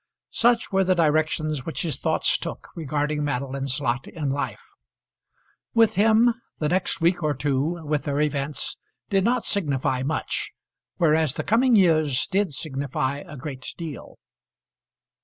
Such were the directions which his thoughts took regarding Madeline's lot in life. With him the next week or two, with their events, did not signify much; whereas the coming years did signify a great deal.